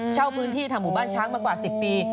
เช่าพื้นที่ทำหมู่บ้านช้างมากว่า๑๐ปี